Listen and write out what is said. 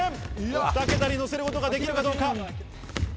２桁に乗せることができるかどうか。